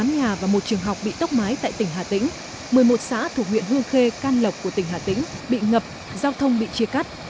một mươi nhà và một trường học bị tốc mái tại tỉnh hà tĩnh một mươi một xã thuộc huyện hương khê can lộc của tỉnh hà tĩnh bị ngập giao thông bị chia cắt